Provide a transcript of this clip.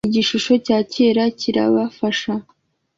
Igishusho cya kera cyirabafasha